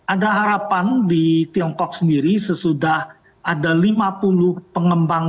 ada harapan di tiongkok sendiri sesudah ada lima puluh pengembang